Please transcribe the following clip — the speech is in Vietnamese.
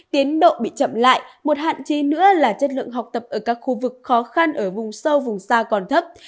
tiến độ bị chậm lại một hạn chế nữa là chất lượng học tập ở các khu vực khó khăn ở vùng sâu vùng xa còn thấp